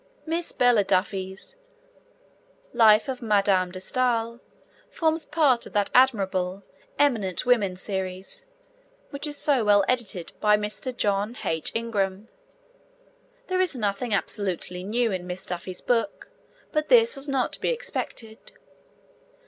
Miss Bella Duffy's Life of Madame de Stael forms part of that admirable 'Eminent Women' Series, which is so well edited by Mr. John H. Ingram. There is nothing absolutely new in Miss Duffy's book, but this was not to be expected.